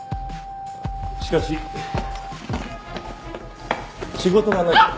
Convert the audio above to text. しかし仕事がない。